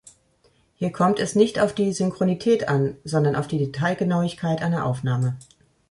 Hier kommt es nicht auf die Synchronität an, sondern auf die Detailgenauigkeit einer Aufnahme.